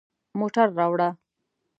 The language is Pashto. موټر راوړه